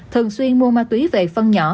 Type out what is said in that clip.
thường xuyên mua ma túy về phân nhỏ